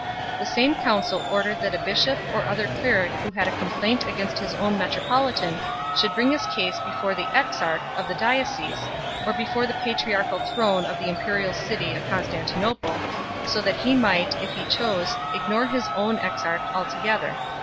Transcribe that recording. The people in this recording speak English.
The same council ordered 2 that a bishop or other cleric who had a complaint against his own metropolitan should bring his case before the exarch of the diocese or before the patriarchal throne of the imperial city of Constanti nople, so that he might, if he chose, ignore his own exarch altogether.